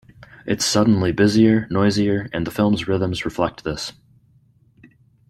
It's suddenly busier, noisier, and the film's rhythms reflect this.